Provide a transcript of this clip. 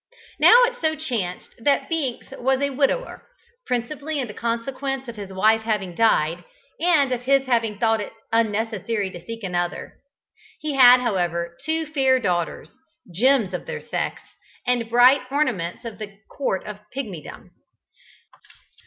Now it so chanced that Binks was a widower, principally in consequence of his wife having died, and of his having thought it unnecessary to seek another. He had, however, two fair daughters, gems of their sex, and bright ornaments of the court of Pigmydom.